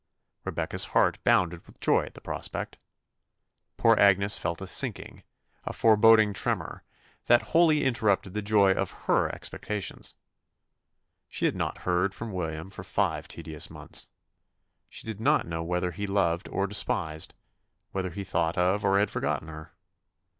Rebecca's heart bounded with joy at the prospect. Poor Agnes felt a sinking, a foreboding tremor, that wholly interrupted the joy of her expectations. She had not heard from William for five tedious months. She did not know whether he loved or despised, whether he thought of or had forgotten her.